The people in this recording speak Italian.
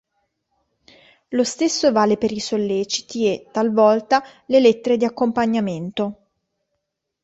Lo stesso vale per i solleciti e, talvolta, le lettere di accompagnamento.